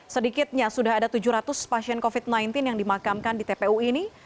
sedikitnya sudah ada tujuh ratus pasien covid sembilan belas yang dimakamkan di tpu ini